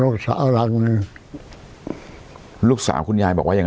ของลูกสาวหลัง